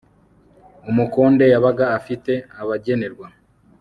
umukonde yabaga afite abagererwa